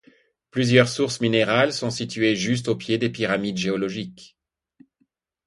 Plusieurs sources minérales sont situées juste aux pieds des pyramides géologiques.